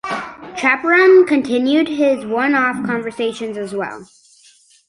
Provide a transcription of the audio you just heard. Chapron continued his one-off conversions as well.